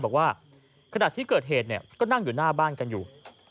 บอกว่าขณะที่เกิดเหตุก็นั่งอยู่หน้าบ้านกันอยู่